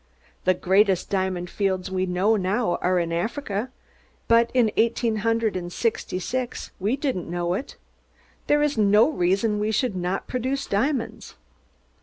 Der greadest diamond fields ve know now are in Africa, bud in eighdeen hundred und sixty six ve didn't know id! Dere iss no reason ve should nod produce diamonds."